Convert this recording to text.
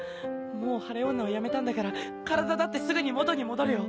もう晴れ女をやめたんだから体だってすぐに元に戻るよ。